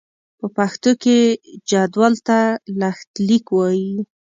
په پښتو کې جدول ته لښتليک وايي.